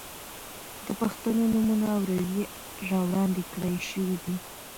د پښتنو نومونه او روئيې را وړاندې کړے شوې دي.